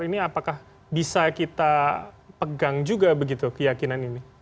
ini apakah bisa kita pegang juga begitu keyakinan ini